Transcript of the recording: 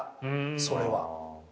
それは。